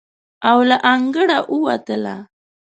او له انګړه ووتله.